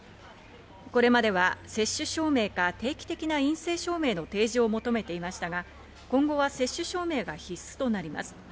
これまでは接種証明か定期的な陰性証明の提示を求めていましたが、今後は接種証明が必須となります。